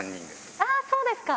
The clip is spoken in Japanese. ああ、そうですか。